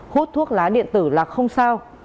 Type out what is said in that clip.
hút thuốc lá điện tử là không sao